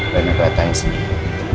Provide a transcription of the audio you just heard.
rena berat tanya sendiri